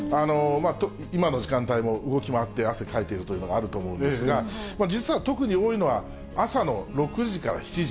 今の時間帯も動き回って、汗かいてるというのがあると思うんですが、実は、特に多いのは、朝の６時から７時。